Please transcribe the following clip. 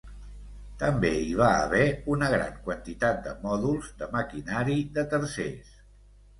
També hi va haver una gran quantitat de mòduls de maquinari de tercers.